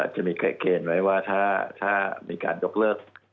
จะมีเกณฑ์ไว้ว่าถ้ามีการยกเลิก